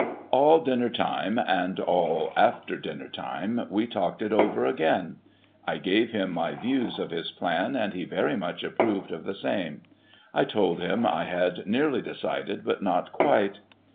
All dinner time, and all after dinner time, we talked it over again. I gave him my views of his plan, and he very much approved of the same. I told him I had nearly decided, but not quite.